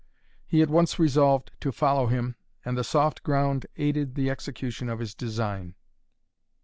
He at once resolved to follow him and the soft ground aided the execution of his design.